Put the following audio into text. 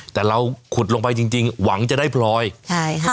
แต่เราขุดลงไปจริงจริงหวังจะได้พลอยใช่ค่ะ